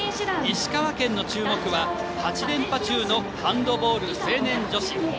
石川県の注目は８連覇中のハンドボール成年女子。